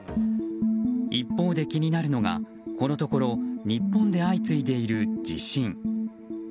一方で気になるのが、このところ日本で相次いでいる地震。